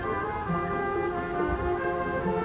สวัสดีครับ